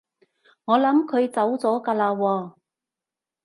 我諗佢走咗㗎喇喎